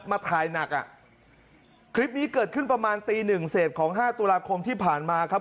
มาถ่ายหนักอ่ะคลิปนี้เกิดขึ้นประมาณตีหนึ่งเศษของห้าตุลาคมที่ผ่านมาครับ